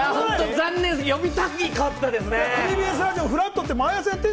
残念ですね、呼びたかったですね。